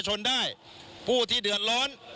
ชูเว็ดตีแสดหน้า